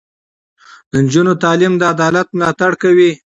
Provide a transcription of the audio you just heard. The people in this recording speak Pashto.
د نجونو تعلیم د عدالت ملاتړ کوي.